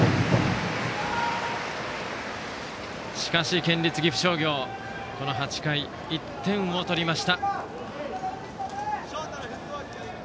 しかし県立岐阜商業８回、１点を取りました。